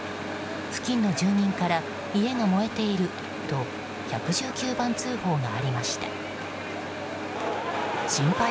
付近の住民から家が燃えていると１１９番通報がありました。